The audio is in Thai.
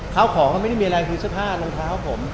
ข้าวของก็ไม่ได้มีอะไรคือเสื้อผ้ารองเท้าผม